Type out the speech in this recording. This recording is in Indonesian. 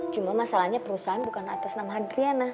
cuma masalahnya perusahaan bukan atas nama adriana